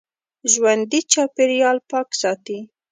ژوندي چاپېریال پاک ساتي